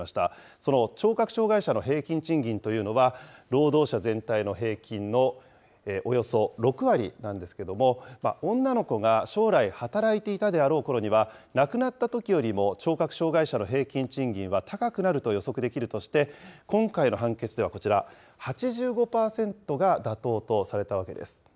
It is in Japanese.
その聴覚障害者の平均賃金というのは、労働者全体の平均のおよそ６割なんですけども、女の子が将来働いていたであろう頃には、亡くなったときよりも聴覚障害者の平均賃金は高くなると予測できるとして、今回の判決ではこちら、８５％が妥当とされたわけです。